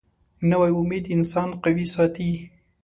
نوې امید انسان قوي ساتي